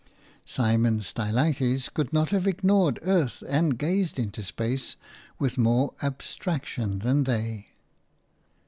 Simon Stylites could not have ignored earth and gazed into space with more abstraction than they.